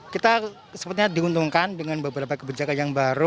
kita sepertinya diuntungkan dengan beberapa kebijakan yang baru